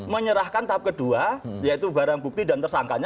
menyerahkan tahap kedua yaitu barang bukti dan tersangkanya